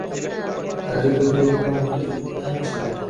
গাজী ফজলুর রহমান মুক্তিযোদ্ধা ছিলেন।